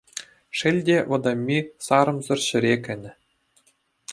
Шел те, вӑтамми сарӑмсӑр ҫӗре кӗнӗ.